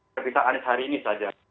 perpisahan hari ini saja